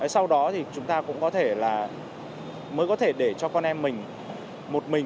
sau đó thì chúng ta cũng có thể là mới có thể để cho con em mình một mình điều khiển phương tiện